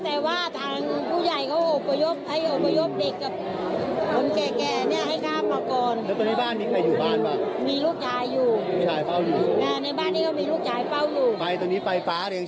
แต่ว่าทางผู้ใหญ่เขาอบประยบ